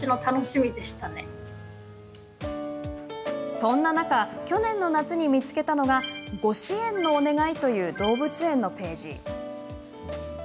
そんな中去年の夏に見つけたのが「ご支猿のお願い」という動物園のページ。